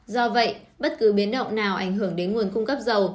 do vậy bất cứ biến động nào ảnh hưởng đến nguồn cung cấp dầu